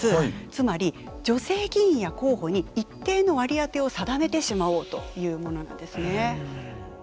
つまり女性議員や候補に一定の割り当てを定めてしまおうというものなんですね。